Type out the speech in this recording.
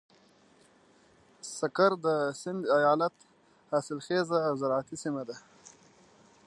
سکر د سيند ايالت حاصلخېزه زراعتي سيمه ده.